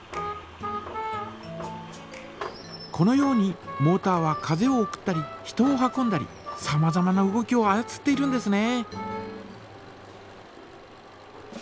このようにモータは風を送ったり人を運んだりさまざまな動きをあやつっているんですね。